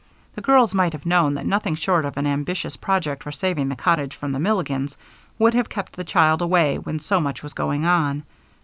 The girls might have known that nothing short of an ambitious project for saving the cottage from the Milligans would have kept the child away when so much was going on.